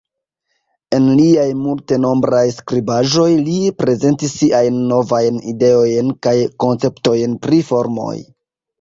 En liaj multenombraj skribaĵoj, li prezentis siajn novajn ideojn kaj konceptojn pri formoj.